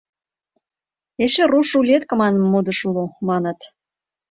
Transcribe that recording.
— Эше «руш рулетке» манме модыш уло, маныт.